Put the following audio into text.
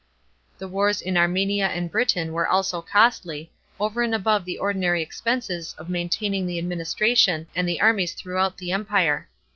The wars in Armenia and Britain were also costly, over and above the ordinary expenses of maintaining the administration and the armies through out the Empire.